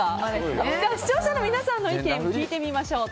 視聴者の皆さんの意見を聞いてみましょう。